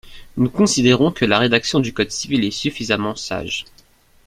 Nous considérons que la rédaction du code civil est suffisamment sage.